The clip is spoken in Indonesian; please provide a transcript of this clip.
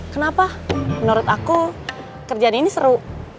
kenapa menurut aku kerjaan ini seru